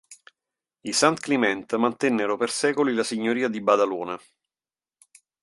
I Santcliment mantennero per secoli la signoria di Badalona.